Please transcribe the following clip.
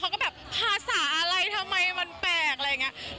เขาก็แบบภาษาอะไรทำไมมันแปลกอะไรอย่างนี้